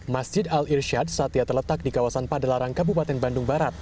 masjid al irshad satya terletak di kawasan padalarang kabupaten bandung barat